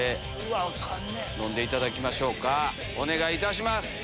飲んでいただきましょうかお願いいたします。